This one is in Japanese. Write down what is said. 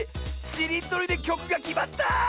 しりとりできょくがきまった！